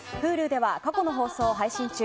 Ｈｕｌｕでは過去の放送を配信中。